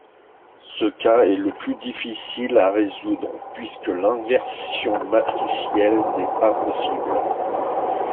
Ce cas est le plus difficile à résoudre puisque l'inversion matricielle n'est pas possible.